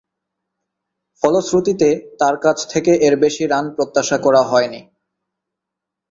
ফলশ্রুতিতে, তার কাছ থেকে এর বেশি রান প্রত্যাশা করা হয়নি।